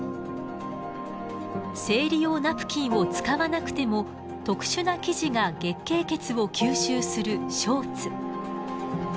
生理用ナプキンを使わなくても特殊な生地が月経血を吸収するショーツ。